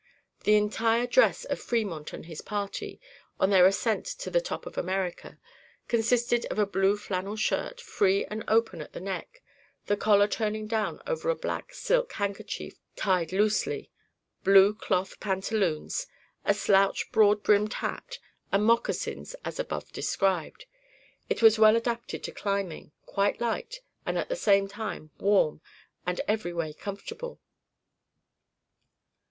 The entire dress of Fremont and his party, on their ascent to the 'top of America,' consisted of a blue flannel shirt, free and open at the neck, the collar turning down over a black silk handkerchief tied loosely, blue cloth pantaloons, a slouched broad brimmed hat, and moccasins as above described. It was well adapted to climbing quite light, and at the same time warm, and every way comfortable.